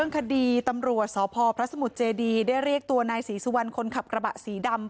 คดีตำรวจสพพระสมุทรเจดีได้เรียกตัวนายศรีสุวรรณคนขับกระบะสีดำ